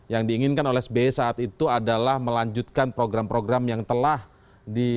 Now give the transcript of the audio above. yang diinginkan oleh sbi saat itu adalah melanjutkan program program yang telah di